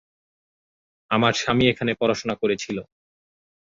আমার স্বামী এখানে পড়াশোনা করেছিল।